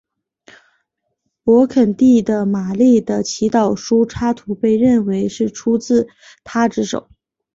勃艮第的马丽的祈祷书插图被认为是出自他之手。